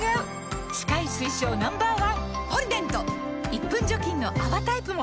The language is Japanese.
１分除菌の泡タイプも！